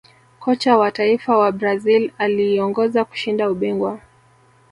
Kocha wa taifa wa brazil aliiongoza kushinda ubingwa